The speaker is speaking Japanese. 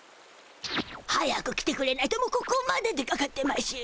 早く来てくれないともうここまで出かかってましゅよ。